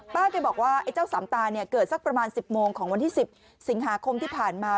แกบอกว่าไอ้เจ้าสามตาเนี่ยเกิดสักประมาณ๑๐โมงของวันที่๑๐สิงหาคมที่ผ่านมา